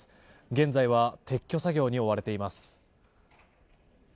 現在は撤去作業に追われています。